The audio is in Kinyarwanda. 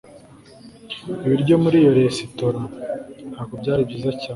ibiryo muri iyo resitora ntabwo byari byiza cyane